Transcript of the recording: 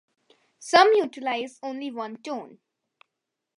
Some utilise only one tone.